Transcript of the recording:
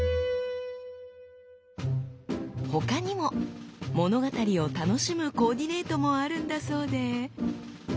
他にも物語を楽しむコーディネートもあるんだそうで。